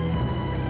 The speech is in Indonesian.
pa sampas lah